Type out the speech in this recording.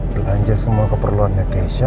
belanja semua keperluannya kesya